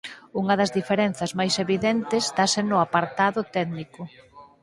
Unha das diferenzas máis evidentes dáse no apartado técnico.